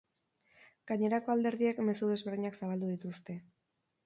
Gainerako alderdiek mezu desberdinak zabaldu dituzte.